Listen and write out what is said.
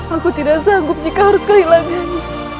aku tidak sanggup jika harus kehilangan